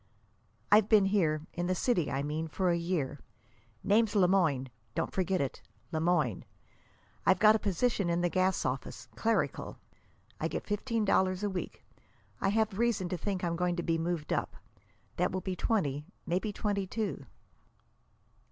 "I've been here in the city, I mean for a year. Name's Le Moyne. Don't forget it Le Moyne. I've got a position in the gas office, clerical. I get fifteen dollars a week. I have reason to think I'm going to be moved up. That will be twenty, maybe twenty two."